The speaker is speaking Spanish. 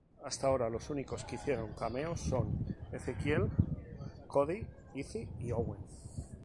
Hasta ahora los únicos que hicieron cameos son: Ezekiel, Cody, Izzy y Owen.